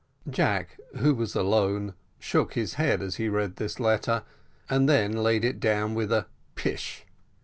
Jack, who was alone, shook his head as he read this letter, and then laid it down with a pish!